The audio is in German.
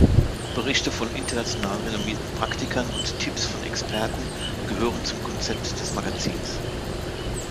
Berichte von international renommierten Praktikern und Tipps von Experten gehören zum Konzept des Magazins.